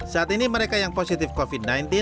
saat ini mereka yang positif covid sembilan belas